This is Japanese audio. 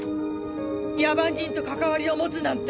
野蛮人と関わりを持つなんて。